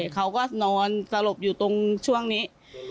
เขาก็นอนสลบอยู่ตรงช่วงนี้